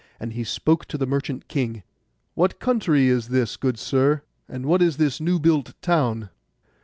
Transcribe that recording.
And he spoke to the merchant king, 'What country is this, good sir; and what is this new built town?